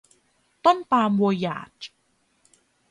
ต้นปาล์มโวยาจ